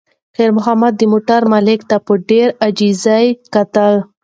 خیر محمد د موټر مالک ته په ډېرې عاجزۍ کتل.